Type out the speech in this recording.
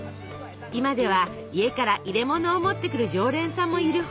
今では家から入れものを持ってくる常連さんもいるほど。